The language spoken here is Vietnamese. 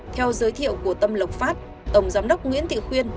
theo giới thiệu của tâm lộc phát tổng giám đốc nguyễn thị khuyên